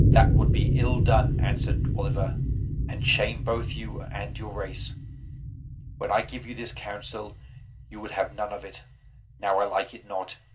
"That would be ill done," answered Oliver, "and shame both you and your race. When I gave you this counsel you would have none of it. Now I like it not.